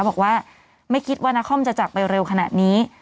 บอกว่าไม่คิดว่านาคอมจะจากไปเร็วขนาดนี้